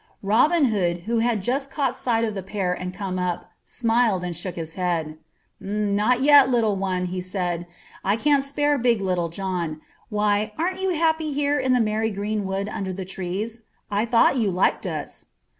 Robin Hood, who had just caught sight of the pair and come up, smiled and shook his head. "Not yet, little one," he said. "I can't spare big Little John. Why, aren't you happy here in the merry greenwood under the trees? I thought you liked us."